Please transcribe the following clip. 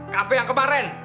cafe yang kemaren